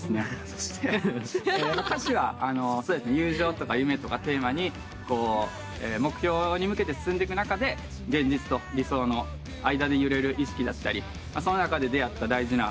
そして歌詞は友情とか夢とかテーマに目標に向けて進んでく中で現実と理想の間で揺れる意識だったりその中で出会った大事な。